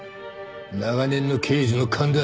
長年の刑事の勘だ。